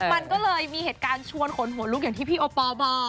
มันก็เลยมีเหตุการณ์ชวนขนหัวลุกอย่างที่พี่โอปอลบอก